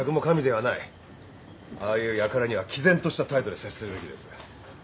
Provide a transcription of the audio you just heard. ああいうやからには毅然とした態度で接するべきです。